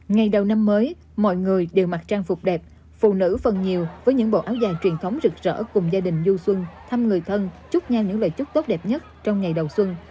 ngày đầu năm mới mọi người đều mặc trang phục đẹp phụ nữ phần nhiều với những bộ áo dài truyền thống rực rỡ cùng gia đình du xuân thăm người thân chúc nhau những lời chúc tốt đẹp nhất trong ngày đầu xuân